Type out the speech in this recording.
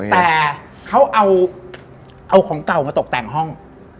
แต่เขาเอาของเก่ามาตกแต่งห้อง